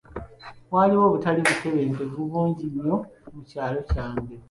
Waliwo obutali butebenkevu bungi nnyo mu kyalo kyange .